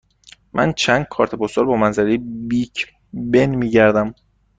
من چند کارت پستال با منظره بیگ بن می گردم.